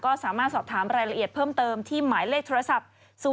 ก็สามารถสอบถามรายละเอียดเพิ่มเติมที่หมายเลขโทรศัพท์